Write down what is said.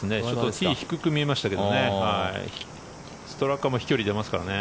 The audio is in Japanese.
ティー低く見えましたけどストラカも飛距離が出ますからね。